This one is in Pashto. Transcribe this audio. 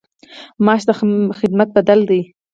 معاش د خدمت بدل دی